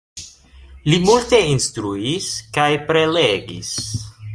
Li multe instruis kaj prelegis.